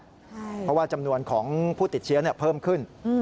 เพราะว่าจำนวนของผู้ติดเชื้อเพิ่มขึ้น